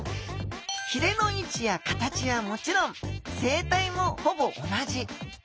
ひれの位置や形はもちろん生態もほぼ同じ。